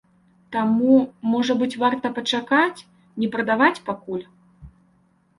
Таму, можа быць, варта пачакаць, не прадаваць пакуль.